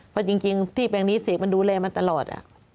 เพราะจริงที่แปลงนี้เสกมันดูแลมันตลอด